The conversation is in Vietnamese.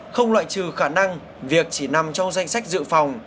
không loại trừ khả năng việc chỉ nằm trong danh sách dự phòng